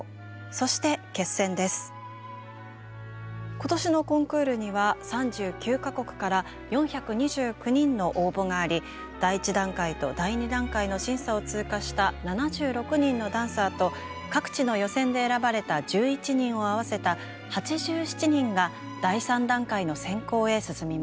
今年のコンクールには３９か国から４２９人の応募があり第１段階と第２段階の審査を通過した７６人のダンサーと各地の予選で選ばれた１１人を合わせた８７人が第３段階の選考へ進みました。